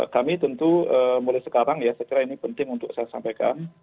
kami tentu mulai sekarang ya saya kira ini penting untuk saya sampaikan